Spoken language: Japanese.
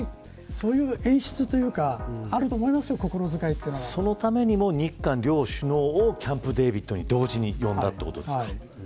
そういう演出というかそのためにも、日韓両首脳をキャンプデービッドに同時に呼んだということですか。